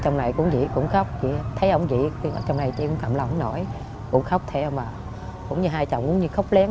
rồi cộng rộng không ra hồn